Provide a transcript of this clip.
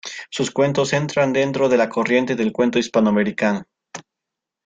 Sus cuentos entran dentro de la corriente del cuento hispanoamericano.